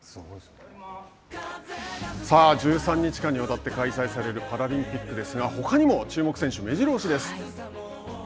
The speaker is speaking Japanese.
さあ１３日間にわたって開催されるパラリンピックですがほかにも注目選手めじろ押しです。